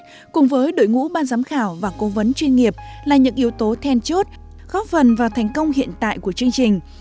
hấp dẫn cùng với đội ngũ ban giám khảo và cố vấn chuyên nghiệp là những yếu tố then chốt góp vần vào thành công hiện tại của chương trình